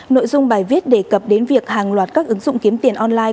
nội dung bài viết đề cập đến việc hàng loạt các ứng dụng kiếm tiền online